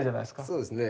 そうですね。